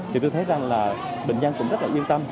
chúng tôi thấy rằng bệnh nhân cũng rất yên tâm